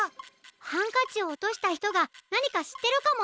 ハンカチをおとしたひとがなにかしってるかも。